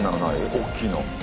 大きいの。